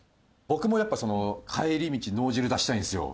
僕もやっぱその帰り道脳汁出したいんですよ。